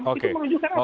itu menunjukkan apa